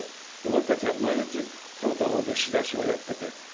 俺たちは毎日その他大勢仕出しをやっていて。